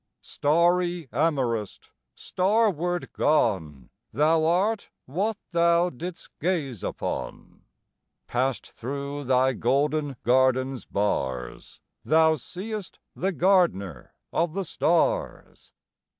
Starry amorist, starward gone, Thou art what thou didst gaze upon! Passed through thy golden garden's bars, Thou seest the Gardener of the Stars.